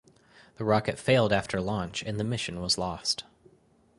The rocket failed after launch and the mission was lost.